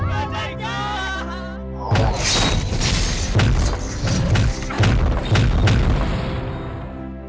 bajanya kesayangan mbak tenggelam